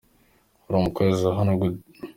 Uri umukozi wa hano gute?